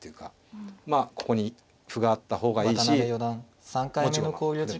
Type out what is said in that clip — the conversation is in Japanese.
まあここに歩があった方がいいし持ち駒でも。